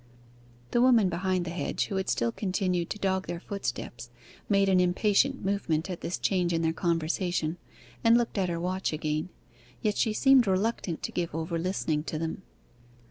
The woman behind the hedge, who had still continued to dog their footsteps, made an impatient movement at this change in their conversation, and looked at her watch again. Yet she seemed reluctant to give over listening to them.